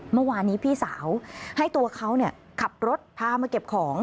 เมื่อวานนี้พี่สาวให้ตัวเขาขับรถพามาเก็บของ